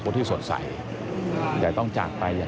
พบหน้าลูกแบบเป็นร่างไร้วิญญาณ